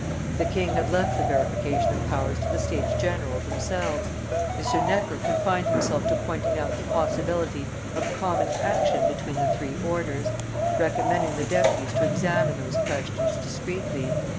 The king had left the verification of powers to the States general themselves. M. Necker confined himself to pointing out the possibility of common action between the three orders, recommending the deputies to examine those questions discreetly.